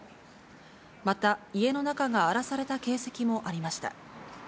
また、家の中が荒らされた形跡もありました。